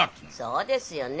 そうですよね。